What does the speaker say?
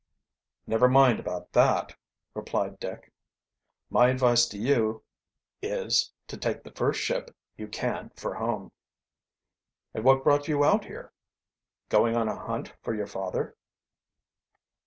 "Never mind about that," replied Dick. "My advice to you is, to take the first ship you can for home." "And what brought you out here going on a hunt for your father?"